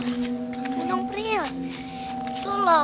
hai tuh nyamperin tuh loh